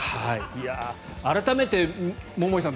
改めて桃井さん